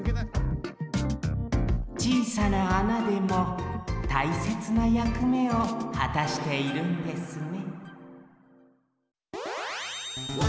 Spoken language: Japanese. ちいさな穴でもたいせつなやくめをはたしているんですね